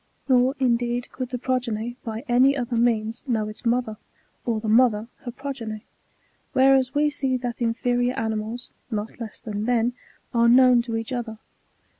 Nor, indeed, could the progeny, by any other means, know its mother, or the mother her progeny ; whereas we see that in ferior animals, not less than men, are known to each other.